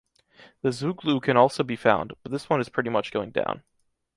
The zouglou can also be found, but this one is pretty much going down.